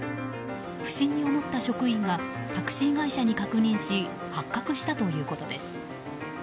不審に思った職員がタクシー会社に確認し発覚したということです。